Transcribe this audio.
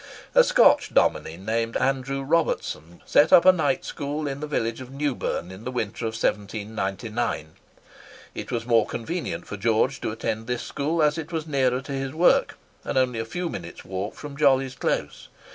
A Scotch dominie, named Andrew Robertson, set up a night school in the village of Newburn, in the winter of 1799. It was more convenient for George to attend this school, as it was nearer to his work, and only a few minutes' walk from Jolly's Close.